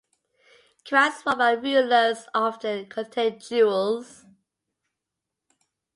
Crowns worn by rulers often contain jewels.